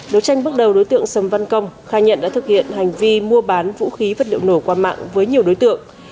đối tranh bước đầu đối tượng sầm văn công khai nhận đã thực hiện hành vi mua bán vũ khí vật liệu nổ qua mạng với nhiều đối tượng